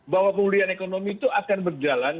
bahwa pemulihan ekonomi itu akan berjalan